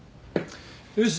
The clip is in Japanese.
よし。